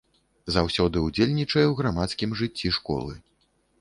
Заўсёды ўдзельнічае ў грамадскім жыцці школы.